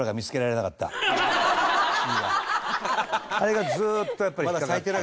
あれがずっとやっぱり引っかかってて。